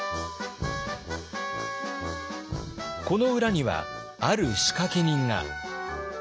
この裏にはある仕掛け人が。